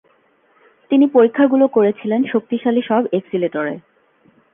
তিনি পরীক্ষাগুলো করেছিলেন শক্তিশালী সব এক্সিলেটরে।